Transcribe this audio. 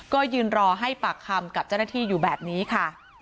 ก็ยืนรอให้ปากคำกับเจ้าหน้าที่อยู่แบบนี้ค่ะ